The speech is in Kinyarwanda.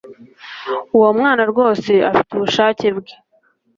Uwo mwana rwose afite ubushake bwe